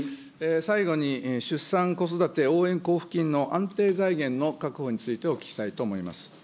最後に出産・子育て応援交付金の安定財源の確保についてお聞きしたいと思います。